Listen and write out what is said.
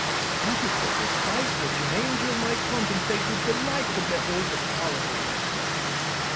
But it was a sight which an angel might contemplate with delight to behold the colony I settled!